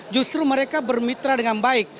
justru mereka bermitra dengan baik